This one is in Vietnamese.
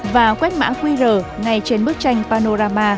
và quét mã qr ngay trên bức tranh panorama